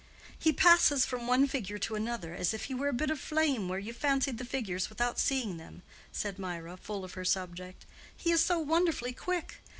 "He passes from one figure to another as if he were a bit of flame where you fancied the figures without seeing them," said Mirah, full of her subject; "he is so wonderfully quick.